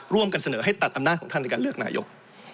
เสนอให้ตัดอำนาจของท่านในการเลือกนายก